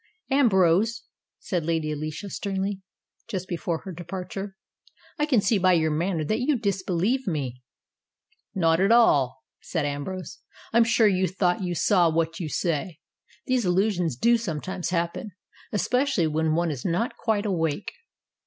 "Ambrose," said Lady Alicia sternly, just before her departure, "I can see by your manner that you disbelieve me." "Not at all," said Ambrose. "I'm sure you thought you saw what you say. These illusions do sometimes happen, especially when one is not quite awake."